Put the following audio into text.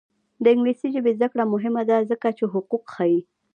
د انګلیسي ژبې زده کړه مهمه ده ځکه چې حقوق ښيي.